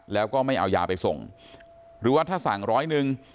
แล้วก็ไม่เอายาไปส่งหรือว่าถ้าสั่งร้อยหนึ่ง